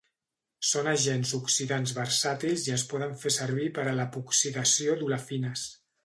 Són agents oxidants versàtils i es poden fer servir per a l'epoxidació d'olefines.